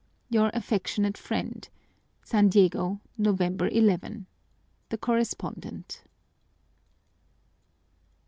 Your affectionate friend, SAN DIEGO, November 11. THE CORRESPONDENT."